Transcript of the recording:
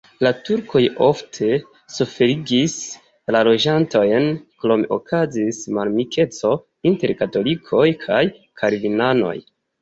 La turkoj ofte suferigis la loĝantojn, krome okazis malamikeco inter katolikoj kaj kalvinanoj.